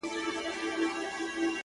و تاته چا زما غلط تعريف کړی و خدايه؛